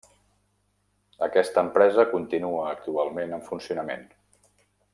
Aquesta empresa continua actualment en funcionament.